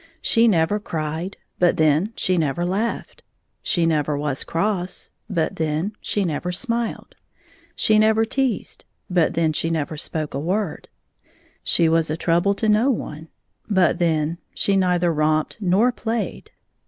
She never cried, but then she never laughed ; she never was cross, but then she never smiled ; she never teased, but then she never spoke a word; she was a trouble to no one, but then she neither romped nor played.